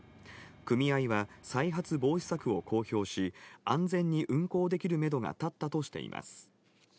組合は再発防止策を公表し、安全に運航できるメドが立ったとしています。